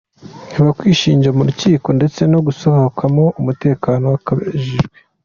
Haba Kwinjira mu rukiko ndetse no gusohokamo umutekano wakajijwe.